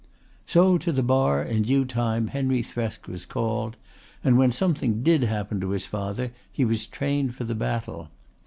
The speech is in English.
So to the Bar in due time Henry Thresk was called; and when something did happen to his father he was trained for the battle.